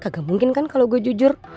kagak mungkin kan kalo gua jujur